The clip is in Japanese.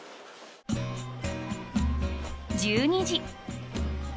１２時。